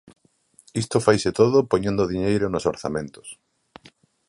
Isto faise todo poñendo diñeiro nos orzamentos.